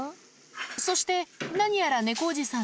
そして何やら猫おじさん